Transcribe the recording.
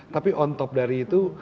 tapi on top dari itu